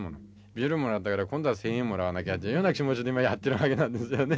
ビールもらったから今度は１，０００円もらわなきゃというような気持ちでやってるわけなんですよね。